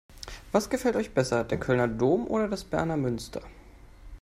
Was gefällt euch besser: Der Kölner Dom oder der Berner Münster?